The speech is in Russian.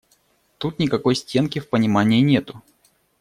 Тут никакой стенки в понимании нету.